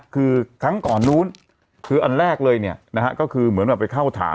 คือครั้งก่อนนู้นคืออันแรกเลยเนี่ยนะฮะก็คือเหมือนแบบไปเข้าฐาน